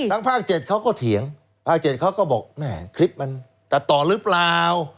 ภาค๗เขาก็เถียงภาค๗เขาก็บอกแม่คลิปมันตัดต่อหรือเปล่า